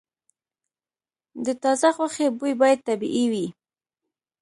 د تازه غوښې بوی باید طبیعي وي.